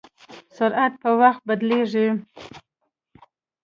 سرعت په وخت بدلېږي.